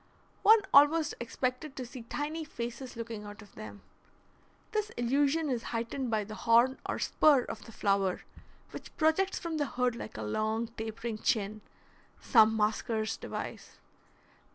One almost expected to see tiny faces looking out of them. This illusion is heightened by the horn or spur of the flower, which projects from the hood like a long tapering chin, some masker's device.